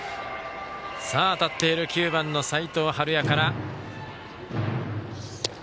当たっている９番の齋藤敏哉から。